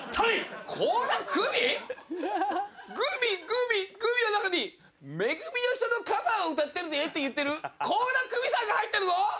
グミグミグミの中に『め組のひと』のカバーを歌ってるでって言ってる倖田來未さんが入ってるぞ！